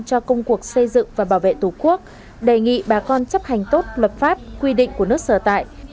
cho công cuộc xây dựng và bảo vệ tổ quốc đề nghị bà con chấp hành tốt luật pháp quy định của nước sở tại